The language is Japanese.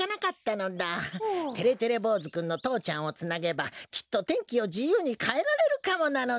てれてれぼうずくんの父ちゃんをつなげばきっと天気をじゆうにかえられるかもなのだ。